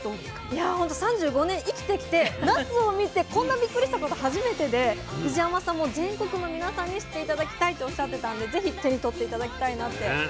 いやほんと３５年生きてきてなすを見てこんなビックリしたこと初めてで藤山さんも全国の皆さんに知って頂きたいとおっしゃってたんで是非手に取って頂きたいなって思いました。